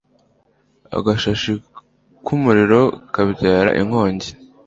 agashashi k'umuriro kabyara inkongi